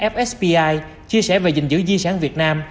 fspi chia sẻ về dình dữ di sản việt nam